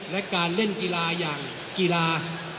และการเล่นกีฬาอย่างกีฬา